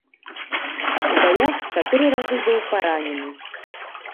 У баях чатыры разы быў паранены.